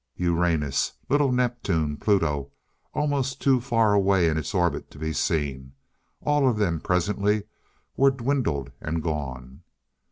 Uranus, little Neptune Pluto, almost too far away in its orbit to be seen all of them presently were dwindled and gone.